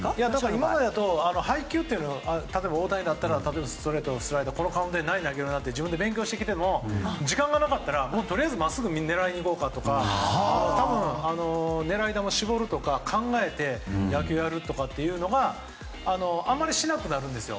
今までだと配球というのが例えば大谷だったらストレート、スライダーとこのカウントで何投げるなって自分で勉強してきても時間がなかったらとりあえずまっすぐを狙いに行こうかとか狙い球絞るとか考えて野球やるというのをあまりしなくなるんですよ。